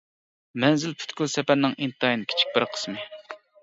مەنزىل پۈتكۈل سەپەرنىڭ ئىنتايىن كىچىك بىر قىسمى.